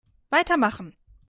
Weitermachen!